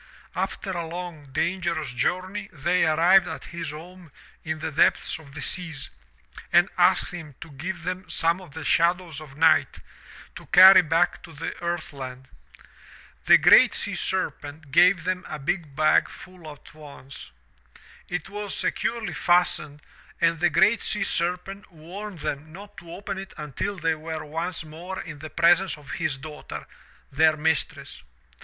After a long, dangerous journey they arrived at his home in the depths of the seas and asked him to give them some of the shadows of night to carry back to the earth land. The GREAT SEA SERPENT gave them a big bag full at once. It was securely fastened and the GREAT SEA SERPENT warned them not to open it until they were once more in the presence of his daughter, their mistress.